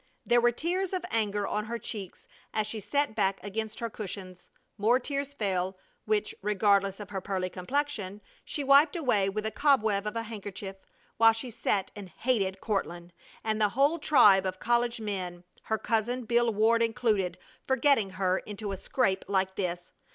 There were tears of anger on her cheeks as she sat back against her cushions; more tears fell, which, regardless of her pearly complexion, she wiped away with a cobweb of a handkerchief, while she sat and hated Courtland, and the whole tribe of college men, her cousin Bill Ward included, for getting her into a scrape like this.